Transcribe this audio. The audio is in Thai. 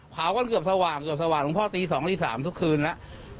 เผาก็เกือบสว่างหลวงพ่อสี่๒๓ทุกคืนแล้ว